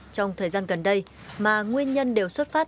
trong thời gian gần đây mà nguyên nhân đều xuất phát